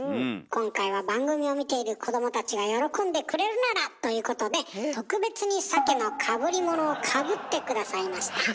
今回は番組を見ている子どもたちが喜んでくれるならということで特別にサケのかぶり物をかぶって下さいました。